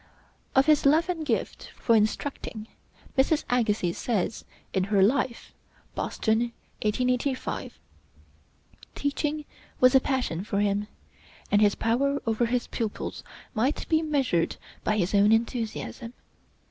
Of his love and gift for instructing, Mrs. Agassiz says in her 'Life' (Boston, 1885): "Teaching was a passion with him, and his power over his pupils might be measured by his own enthusiasm.